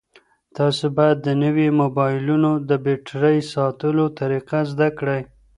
تاسو باید د نویو موبایلونو د بېټرۍ ساتلو طریقه زده کړئ.